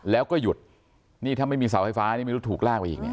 แล้วก็หยุดนี่ถ้าไม่มีเสาไฟฟ้านี่ไม่รู้ถูกลากไปอีกเนี่ย